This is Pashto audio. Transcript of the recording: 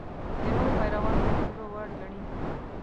د نورو پیروان د وژلو وړ ګڼي.